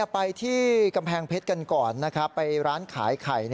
ไปที่กำแพงเพศกันก่อนไปร้านขายไข่